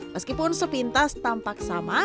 meskipun sepintas tampak sama